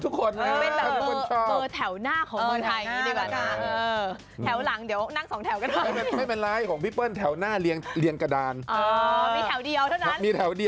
เพราะเขาเก่งกว่าเราเขาสวยกว่าเราเขาดีกว่าเรา